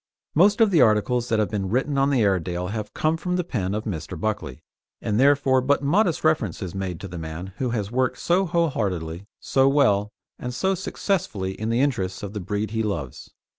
Most of the articles that have been written on the Airedale have come from the pen of Mr. Buckley, and therefore but modest reference is made to the man who has worked so whole heartedly, so well, and so successfully in the interests of the breed he loves.